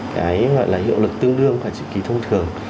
cái gọi là hiệu lực tương đương và dự ký thông thường